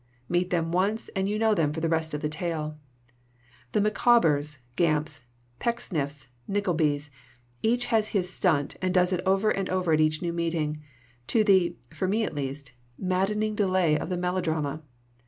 Meet them once and you know them for the rest of the tale, the Micaw bers, Gamps, Pecksniffs, Nicklebys; each has his stunt and does it over and over at each new meeting, to the for me, at least maddening de lay of the melodrama.